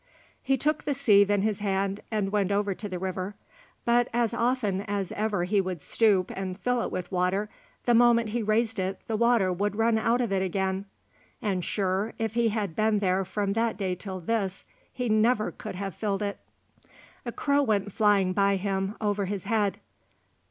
He took the sieve in his hand and went over to the river, but as often as ever he would stoop and fill it with water, the moment he raised it the water would run out of it again, and sure, if he had been there from that day till this, he never could have filled it. A crow went flying by him, over his head.